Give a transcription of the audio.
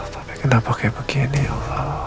tapi kenapa kayak begini